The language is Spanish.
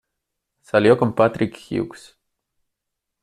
Salió con Patrick Hughes.